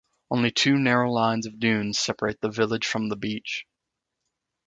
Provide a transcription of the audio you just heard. Only two narrow lines of dunes separate the village from the beach.